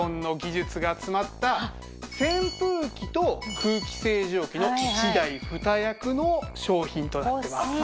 扇風機と空気清浄機の１台２役の商品となってます。